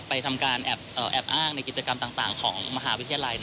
ทำการแอบอ้างในกิจกรรมต่างของมหาวิทยาลัย